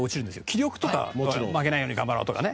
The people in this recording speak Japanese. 気力とかは負けないように頑張ろうとかね。